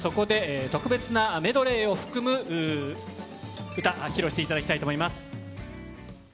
特別なメドレーを含む歌を披露していただきたいと思います。